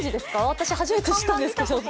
私初めて知ったんですけど。